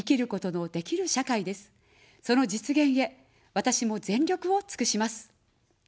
その実現へ、私も全力をつくします。